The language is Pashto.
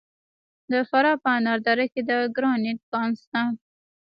د فراه په انار دره کې د ګرانیټ کان شته.